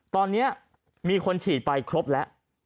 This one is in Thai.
ตอนนี้มีคนฉีดไปครบแล้ว